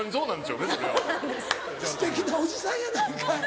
すてきなおじさんやないかい。